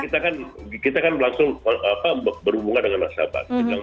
iya kita kan langsung berhubungan dengan nasabah